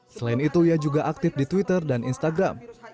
selain itu ia juga aktif di twitter dan instagram